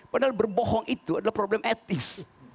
padahal berbohong itu adalah problem etis